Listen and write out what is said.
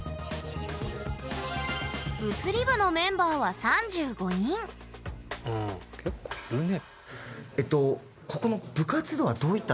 物理部のメンバーは３５人うん結構いるね。